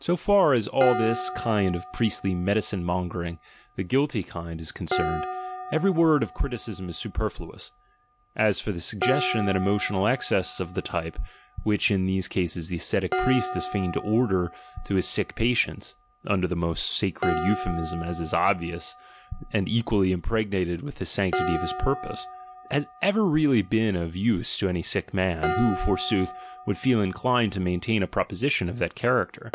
So far as all this kind of priestly medicine mongering,' 1 54 THE GENEALOGY OF MORALS the "guilty" kind, is concerned, every word of criticism superfluous. As for the suggestion that emotional excess of the type, which in these cases the ascetic priest is fain to order to his sick patients (under the most sacred .hemism, as is obvious, and equally impregnated with the sanctity of his purpose), has ever really been of use to any sick man, who, forsooth, would feel inclined to maintain a proposition of that character?